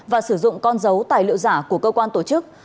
và sử dụng con dấu tài liệu giả của cơ quan tổ chức